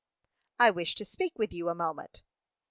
"I wish to speak with you a moment."